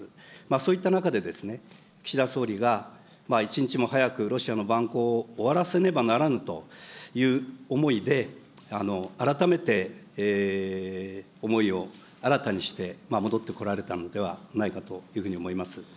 そういった中でですね、岸田総理が一日も早くロシアの蛮行を終わらせねばならんという思いで、改めて思いを新たにして戻ってこられたのではないかというふうに思います。